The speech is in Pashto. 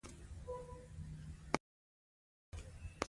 بیکاري کار غواړي